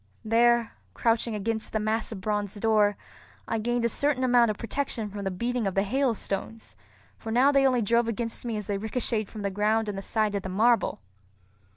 There, crouching against the massive bronze door, I gained a certain amount of protection from the beating of the hailstones, for now they only drove against me as they ricochetted from the ground and the side of the marble.